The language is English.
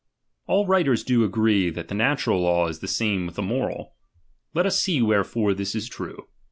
All writers do agree, that the natural law is Tiie nan. Ihe same with the moral. Let us see wherefore «iihii.e this is true.